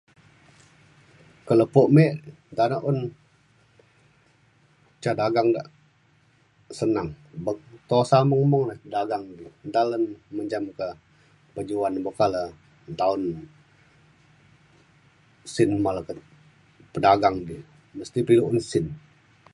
kak lepo me tanak un ca dagang da senang. bek tusa mung mung dagang di nta le menjam meka bejuan buk ka le nta taun sin nta le bedagang di mesti pe ilu un sin.